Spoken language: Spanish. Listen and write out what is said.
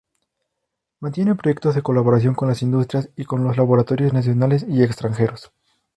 Mantiene proyectos de colaboración con la industria y con laboratorios nacionales y extranjeros.